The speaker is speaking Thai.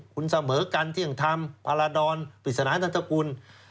คุณเสมอกันที่ธั่งทำปรารดรปฤษฐานละรตะกุล